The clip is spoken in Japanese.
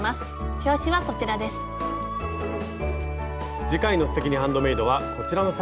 表紙はこちらです。